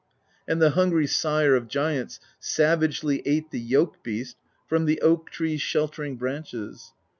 And the hungry Sire of Giants Savagely ate the yoke beast From the oak tree's sheltering branches.